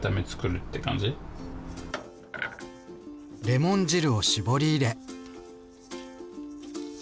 レモン汁を搾り入れ。